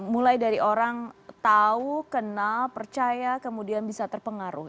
mulai dari orang tahu kenal percaya kemudian bisa terpengaruh